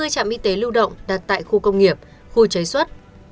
hai mươi trạm y tế lưu động đặt tại khu công nghiệp khu chế xuất